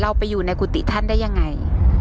ไปอยู่ในกุฏิท่านได้ยังไง